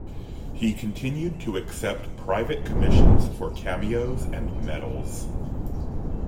He continued to accept private commissions for cameos and medals.